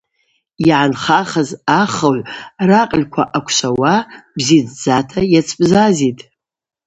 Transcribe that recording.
Йгӏанхаз ахыгӏв ракъыльква аквшвауа бзидздзата йацбзазитӏ.